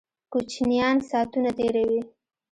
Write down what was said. کوچینان ساتونه تیروي